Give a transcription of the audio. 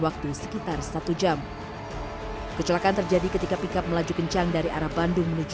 waktu sekitar satu jam kecelakaan terjadi ketika pickup melaju kencang dari arah bandung menuju